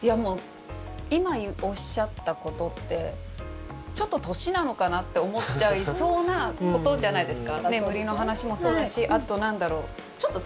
今、おっしゃったことってちょっと年なのかなって思っちゃいそうなことじゃないですか。